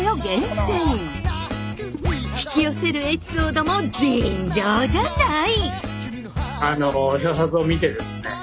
引き寄せるエピソードも尋常じゃない！